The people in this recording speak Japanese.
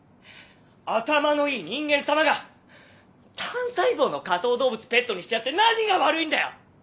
頭のいい人間さまが単細胞の下等動物ペットにしてやって何が悪いんだよ！